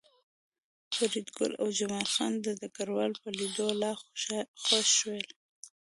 فریدګل او جمال خان د ډګروال په لیدو لا خوښ شول